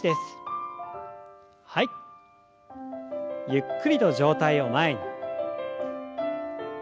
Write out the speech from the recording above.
ゆっくりと上体を前に。